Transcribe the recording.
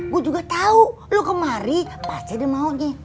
gua juga tau lu kemari pasti dia mau nih